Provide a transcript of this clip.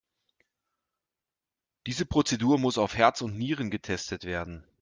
Diese Prozedur muss auf Herz und Nieren getestet werden.